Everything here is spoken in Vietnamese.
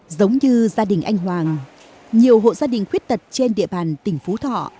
giống như gia đình anh hoàng nhiều hộ gia đình khuyết tật trên địa bàn tỉnh phú thọ